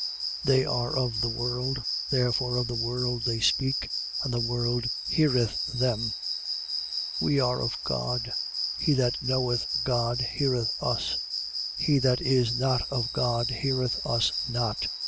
4:5. They are of the world. Therefore of the world they speak: and the world heareth them. 4:6. We are of God. He that knoweth God heareth us. He that is not of God heareth us not.